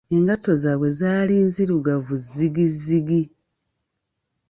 Engatto zaabwe zaali nzirugavu zzigizigi!